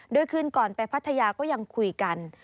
โดยคืนก่อนไปพัทยาก็ยังคุยกัน